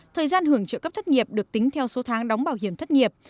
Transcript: thời gian hưởng trợ cấp thất nghiệp được tính theo số tháng đóng bảo hiểm thất nghiệp